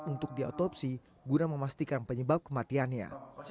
untuk diotopsi guna memastikan penyebab kematiannya